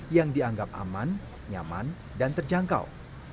yang dianggap aman nyaman dan terjangkau